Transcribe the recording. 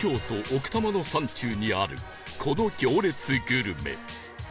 奥多摩の山中にあるこの行列グルメ